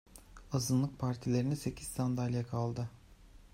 Azınlık partilerine sekiz sandalye kaldı.